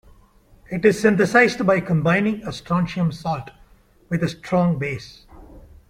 It is synthesized by combining a strontium salt with a strong base.